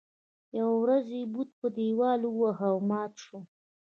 يوه ورځ یې بت په دیوال وواهه او مات شو.